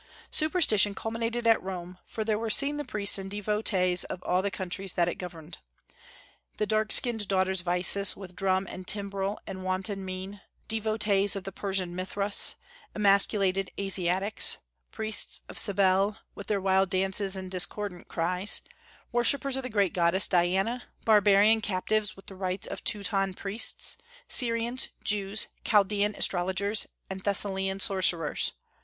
Superstition culminated at Rome, for there were seen the priests and devotees of all the countries that it governed, "the dark skinned daughters of Isis, with drum and timbrel and wanton mien; devotees of the Persian Mithras; emasculated Asiatics; priests of Cybele, with their wild dances and discordant cries; worshippers of the great goddess Diana; barbarian captives with the rites of Teuton priests; Syrians, Jews, Chaldaean astrologers, and Thessalian sorcerers....